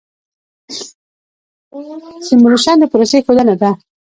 سیمولیشن د پروسې ښودنه ده.